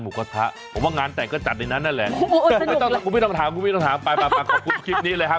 ไม่ต้องถามไปขอบคุณคลิปนี้เลยฮะ